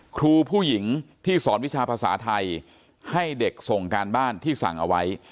ครูผู้หญิงที่สอนวิชาภาษาไทยให้เด็กส่งการบ้านที่สั่งเอาไว้